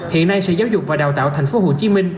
hiện nay sở giáo dục và đào tạo tp hcm